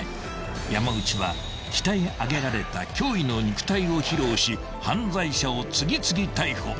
［山内は鍛え上げられた驚異の肉体を披露し犯罪者を次々逮捕］